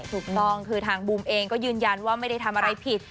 ถูกต้องคือทางบูมเองก็ยืนยันว่าไม่ได้ทำอะไรผิด